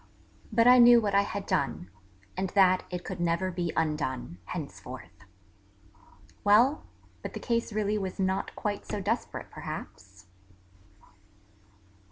But I knew what I had done, and that it could never be undone, henceforth ... Well, but the case really was not quite so desperate perhaps?